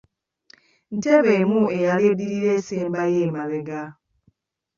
Ntebe emu eyali eddirira esembayo emabega.